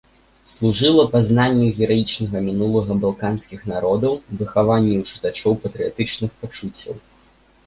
Служыла пазнанню гераічнага мінулага балканскіх народаў, выхаванню ў чытачоў патрыятычных пачуццяў.